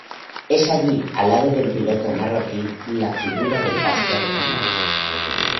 Es allí, al lado del piloto marroquí, la figura del pastor Camarga.